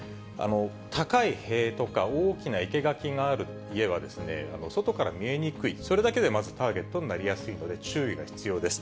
高い塀とか、大きな生け垣がある家は、外から見えにくい、それだけでまずターゲットになりやすいので注意が必要です。